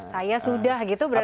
saya sudah gitu berarti